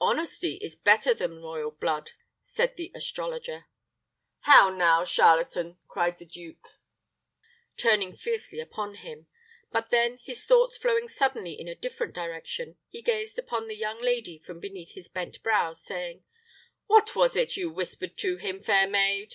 "Honesty is better than royal blood," said the astrologer. "How now, charlatan!" cried the duke, turning fiercely upon him; but then, his thoughts flowing suddenly in a different direction, he gazed upon the young lady from beneath his bent brows, saying, "What was it you whispered to him, fair maid?"